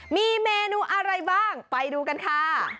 มีเมนูอะไรบ้างไปดูกันค่ะ